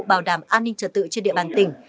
bảo đảm an ninh trật tự trên địa bàn tỉnh